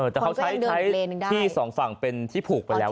แต่เขาใช้ที่สองฝั่งเป็นที่ผูกไปแล้ว